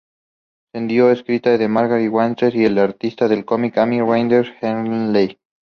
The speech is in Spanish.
Siendo escrita por Matt Wagner, y el artista de cómics Amy Reeder Hadley.